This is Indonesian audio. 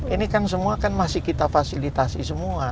ini kan semua kan masih kita fasilitasi semua